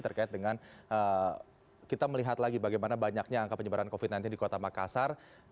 terkait dengan kita melihat lagi bagaimana banyaknya angka penyebaran covid sembilan belas di kota makassar